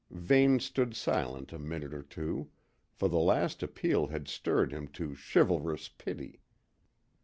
Vane stood silent a minute or two, for the last appeal had stirred him to chivalrous pity.